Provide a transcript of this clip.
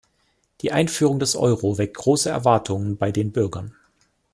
Die Einführung des Euro weckt große Erwartungen bei den Bürgern.